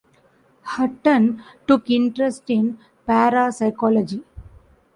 Hutton took interest in parapsychology.